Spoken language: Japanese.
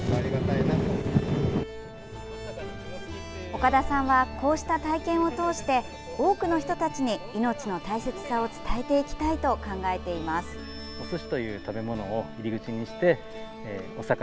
岡田さんはこうした体験を通して多くの人たちに命の大切さを伝えていきたいと考えています。